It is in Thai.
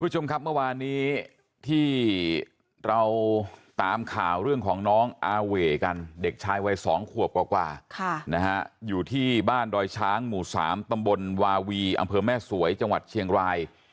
คุณผู้ชมครับเมื่อวานนี้ที่เราตามข่าวเรื่องของน้องอาเว่กันเด็กชายวัย๒ขวบกว่านะฮะอยู่ที่บ้านดอยช้างหมู่๓ตำบลวาวีอำเภอแม่สวยจังหวัดเชียงราย